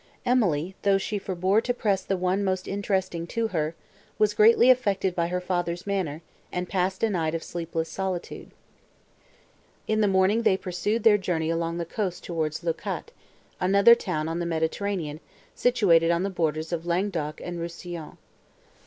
Emily, though she forbore to press the one most interesting to her, was greatly affected by her father's manner, and passed a night of sleepless solicitude. In the morning they pursued their journey along the coast towards Leucate, another town on the Mediterranean, situated on the borders of Languedoc and Rousillon.